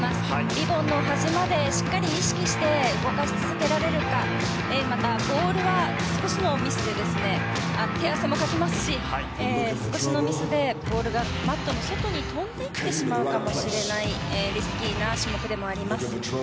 リボンの端までしっかり意識して動かし続けられるかまた、ボールは少しのミスで手汗もかきますし少しのミスでボールがマットの外に飛んでいってしまうかもしれないリスキーな種目でもあります。